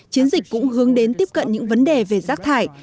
chiến dịch cũng hướng đến tiếp cận những vấn đề về rác thải